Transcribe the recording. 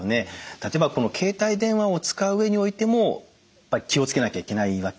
例えばこの携帯電話を使う上においても気をつけなきゃいけないわけですか。